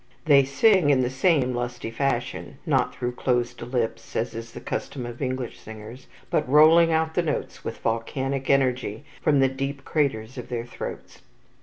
They sing in the same lusty fashion; not through closed lips, as is the custom of English singers, but rolling out the notes with volcanic energy from the deep craters of their throats.